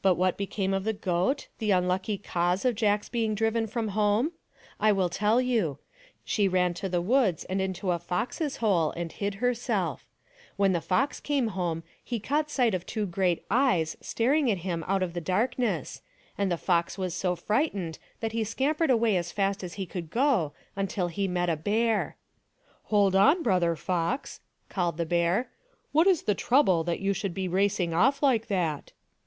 But what became of the goat, the unlucky cause of Jack's being driven from home? I will tell you. She ran to the woods and into a fox's hole and hid herself. When the fox came home he caught sight of two great eyes staring at him out of the THE DONKEY, THE TABLE, AND THE STICK 301 darkness, and the fox was so frightened that he scampered away as fast as he could go until he met a bear. " Hold on, Brother Fox !" called the bear, <€ what is the trouble that you should be racing off like that?"